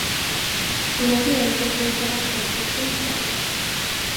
Mina klienter ska åka vattenskoter i stan.